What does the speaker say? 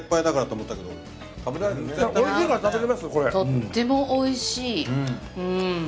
とってもおいしい。